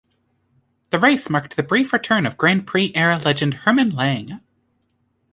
The race marked the brief return of Grand Prix-era legend Hermann Lang.